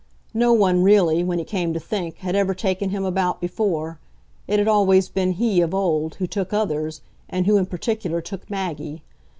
No one, really, when he came to think, had ever taken him about before it had always been he, of old, who took others and who in particular took Maggie.